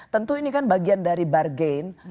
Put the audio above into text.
tentu ini kan bagian dari bargain